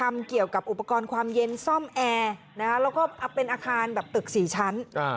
เกี่ยวกับอุปกรณ์ความเย็นซ่อมแอร์แล้วก็เป็นอาคารแบบตึก๔ชั้น